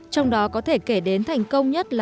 trong đó có thể kể đến thành công nhất là